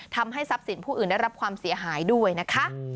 ทำให้ทรัพย์สินผู้อื่นได้รับความเสียหายด้วยนะคะ